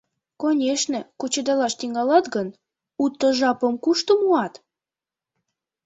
— Конешне, кучедалаш тӱҥалат гын, уто жапым кушто муат?